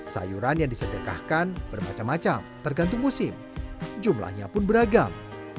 sayuran yang disedekahkan bermacam macam tergantung musim jumlahnya pun beragam